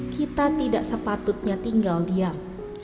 kita tidak sepatutnya tinggal diam